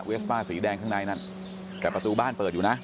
ฟ่าสีแดงข้างในนั้นแต่ประตูบ้านเปิดอยู่นะ